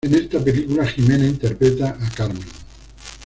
En esta película Ximena interpreta a "Carmen".